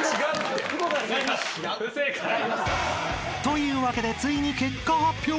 ［というわけでついに結果発表］